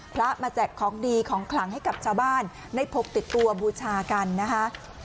พระมาแจกของดีของขลังให้กับชาวบ้านได้พกติดตัวบูชากันนะคะ